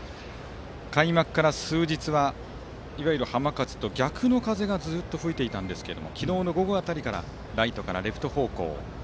開幕から数日はいわゆる浜風と逆の風がずっと吹いていましたが昨日の午後辺りからライトからレフト方向。